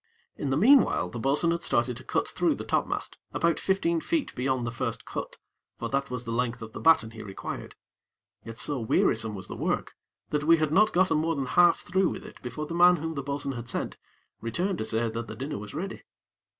In the meanwhile, the bo'sun had started to cut through the topmast, about fifteen feet beyond the first cut, for that was the length of the batten he required; yet so wearisome was the work, that we had not gotten more than half through with it before the man whom the bo'sun had sent, returned to say that the dinner was ready.